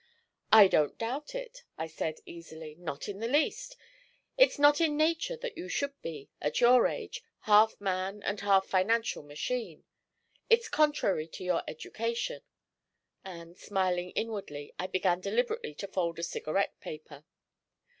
'I don't doubt it,' I said easily, 'not in the least. It's not in nature that you should be, at your age, half man and half financial machine. It's contrary to your education.' And, smiling inwardly, I began deliberately to fold a cigarette paper.